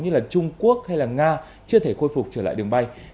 như trung quốc hay là nga chưa thể khôi phục trở lại đường bay